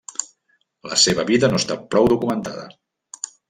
La seva vida no està prou documentada.